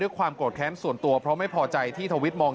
ความโกรธแค้นส่วนตัวเพราะไม่พอใจที่ทวิตมอง